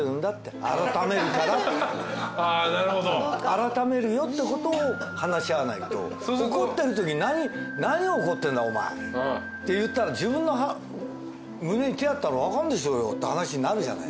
改めるよってことを話し合わないと怒ってるときに「何怒ってんだお前」って言ったら「自分の胸に手ぇ当てたら分かるでしょうよ」って話になるじゃない。